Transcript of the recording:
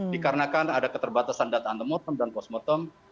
dikarenakan ada keterbatasan data antemotem dan kosmotem